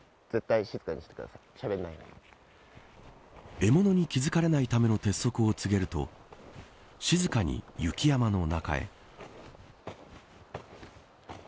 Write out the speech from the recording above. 獲物に気付かれないための鉄則を告げると静かに雪山の中へ。